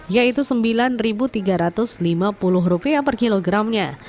yaitu rp sembilan tiga ratus lima puluh per kilogramnya